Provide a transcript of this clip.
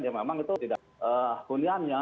yang memang itu tidak kuniannya